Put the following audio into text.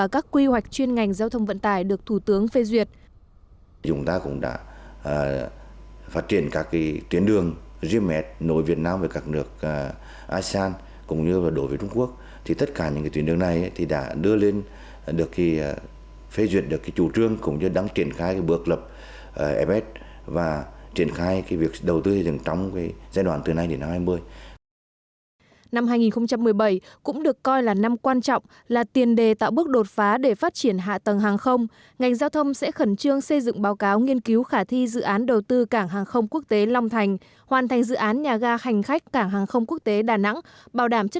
các chuyên gia nhận định để có thể đón nhận trọn vẹn những lợi ích này việt nam cần phải chuẩn bị tâm thế